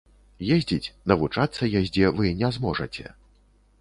Ездзіць, навучацца яздзе вы не зможаце.